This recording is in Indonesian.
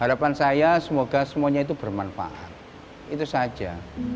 harapan saya semoga semuanya itu bermanfaat itu saja